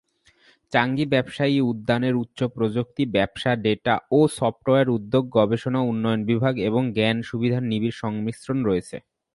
চাঙ্গি ব্যবসায়ী উদ্যানের উচ্চ প্রযুক্তি ব্যবসা, ডেটা ও সফ্টওয়্যার উদ্যোগ, গবেষণা এবং উন্নয়ন বিভাগ এবং জ্ঞান সুবিধার নিবিড় সংমিশ্রণ রয়েছে।